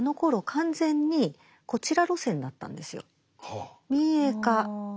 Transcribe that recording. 完全にこちら路線だったんですよ。